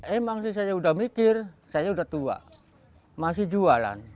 emang sih saya udah mikir saya udah tua masih jualan